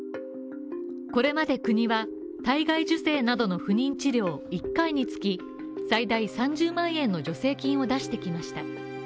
これまで国は、体外受精などの不妊治療、１回につき最大３０万円の助成金を出してきました。